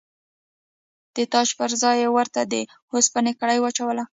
د تاج پر ځای یې ورته د اوسپنې کړۍ واچوله.